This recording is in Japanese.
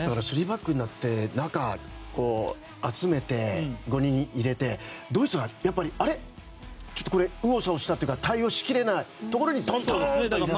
３バックになって中、集めて５人入れて、ドイツはやっぱりちょっと右往左往としたというか対応しきれないところにポンと入れたという。